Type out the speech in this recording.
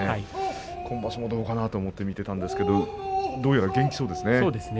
今場所もどうかなと思って見ていたんですけれどどうやら元気そうですね。